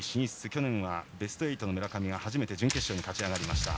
去年はベスト８の村上が初めて準決勝に勝ち上がりました。